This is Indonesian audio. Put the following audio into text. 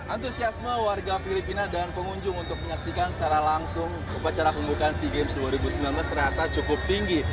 antusiasme warga filipina dan pengunjung untuk menyaksikan secara langsung upacara pembukaan sea games dua ribu sembilan belas ternyata cukup tinggi